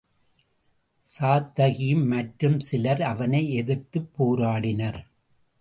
சாத்தகியும் மற்றும் சிலர் அவனை எதிர்த்துப் போராடினர்.